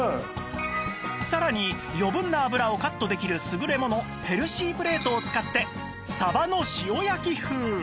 さらに余分な脂をカットできる優れものヘルシープレートを使ってサバの塩焼き風